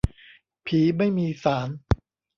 ผีไม่มีศาล